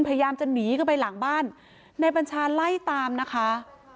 พยายามจะหนีเข้าไปหลังบ้านนายบัญชาไล่ตามนะคะ